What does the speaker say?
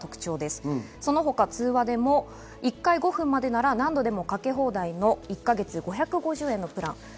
その他、通話でも１回５分までなら何度でもかけ放題の１か月５５０円のプラン。